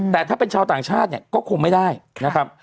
แต่ถ้าเป็นชาวต่างชาติเนี่ยก็คงไม่ได้นะครับ